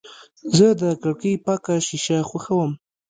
زه د کړکۍ پاکه شیشه خوښوم.